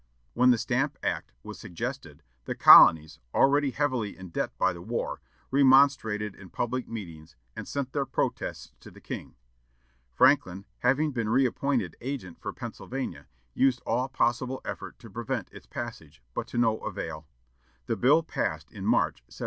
When the Stamp Act was suggested, the colonies, already heavily in debt by the war, remonstrated in public meetings, and sent their protests to the king. Franklin, having been reappointed agent for Pennsylvania, used all possible effort to prevent its passage, but to no avail. The bill passed in March, 1765.